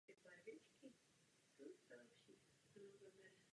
Ve výsledném vlnění se tedy vyskytují rázy.